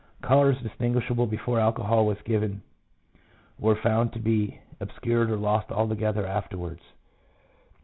Colours distinguishable before alcohol was given were found to be obscured or lost altogether afterwards.